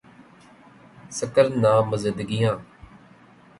سکر نامزدگیاں